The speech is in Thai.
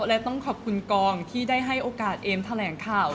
และต้องขอบคุณกองที่ได้ให้โอกาสเอมแถลงข่าว